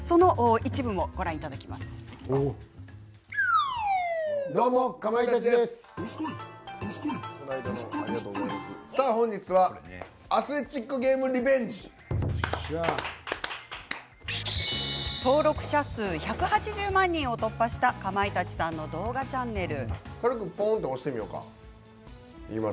「どすこいどすこい」登録者数１８０万人を突破したかまいたちさんの動画チャンネル。